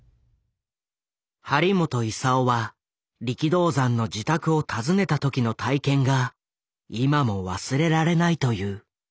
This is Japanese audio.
張本勲は力道山の自宅を訪ねた時の体験が今も忘れられないという。